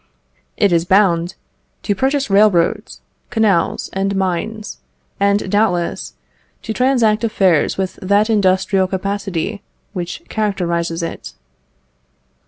It is bound "To purchase railroads, canals, and mines; and, doubtless, to transact affairs with that industrial capacity which characterises it."